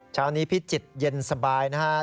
เช้านี้พิจิตย์เย็นสบายนะฮะ